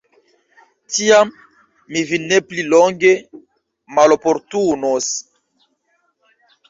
Tiam mi vin ne pli longe maloportunos.